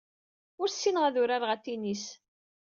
Ur ssineɣ ad urareɣ atennis.